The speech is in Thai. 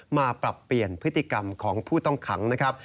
มาปรับเปลี่ยนพฤติกรรมของผู้ต้องขังนะครับ